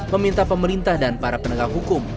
meminta pemerintah dan para penegak hukum